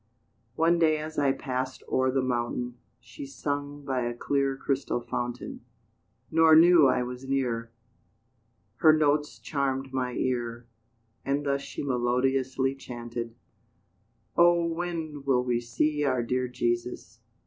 One day as I passed o'er the mountain, She sung by a clear crystal fountain (Nor knew I was near); Her notes charmed my ear, As thus she melodiously chanted: "Oh! when shall we see our dear Jesus?